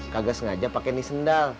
kagak sengaja pake nih sendal